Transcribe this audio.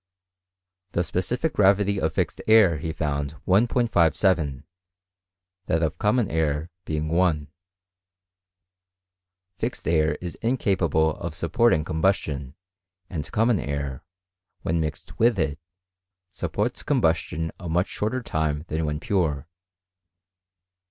.' TRie specific gravity of fixed air he found 1 57, that I ^ common air being 1.* Fixed air is incapable of swporting combustion, and common air, when mixed With it, supports combustion a much shorter time than when pure.